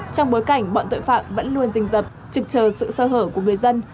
trong bối cảnh bọn tội phạm vẫn luôn rình dập trực chờ sự sơ hở của người dân